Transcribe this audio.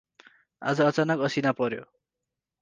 आज अचानक असिना पर्यो ।